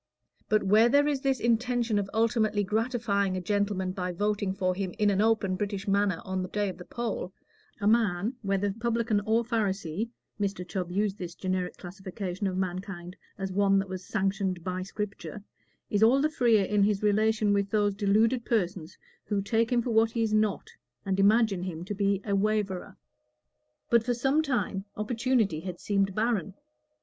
But where there is this intention of ultimately gratifying a gentleman by voting for him in an open British manner on the day of the poll, a man, whether Publican or Pharisee (Mr. Chubb used this generic classification of mankind as one that was sanctioned by Scripture), is all the freer in his relation with those deluded persons who take him for what he is not, and imagine him to be a waverer. But for some time opportunity had seemed barren.